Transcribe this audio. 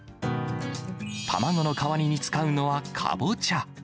卵の代わりに使うのはかぼちゃ。